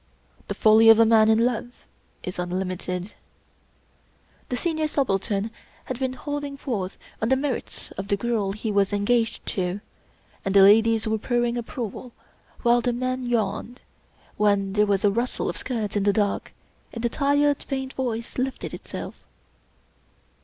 The folly of a man in love is unlimited. The Senior Subaltern had been holding forth on the merits of the girl he was en gaged to, and the ladies were purring approval, while the men yawned, whefi there was a rustle of skirts in the dark, and a tired, faint voice lifted itself.